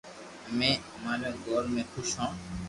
امي امري گور مي خوݾ ھون